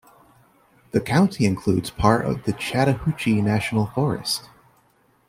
The county includes part of Chattahoochee National Forest.